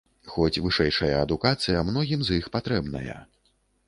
Хоць вышэйшая адукацыя многім з іх патрэбная.